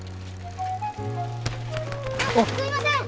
あっすいません！